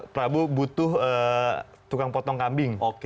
prabu butuh tukang potong kambing